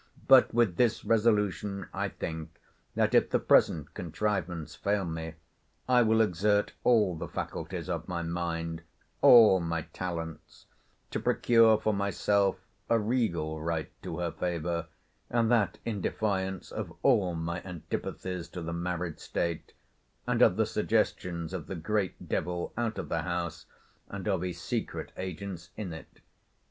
—But with this resolution, I think, that, if the present contrivance fail me, I will exert all the faculties of my mind, all my talents, to procure for myself a regal right to her favour and that in defiance of all my antipathies to the married state; and of the suggestions of the great devil out of the house, and of his secret agents in it.